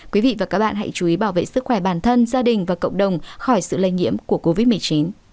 quý vị và các bạn hãy chú ý bảo vệ sức khỏe bản thân gia đình và cộng đồng khỏi sự lây nhiễm của covid một mươi chín